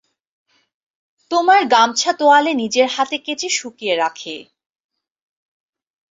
তোমার গামছা তোয়ালে নিজের হাতে কেচে শুকিয়ে রাখে।